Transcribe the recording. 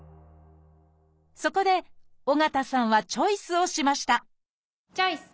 そこで緒方さんはチョイスをしましたチョイス！